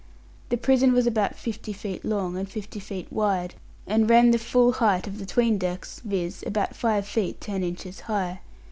The prison was about fifty feet long and fifty feet wide, and ran the full height of the 'tween decks, viz., about five feet ten inches high.